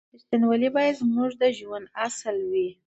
رښتینولي باید زموږ د ژوند اصل وي.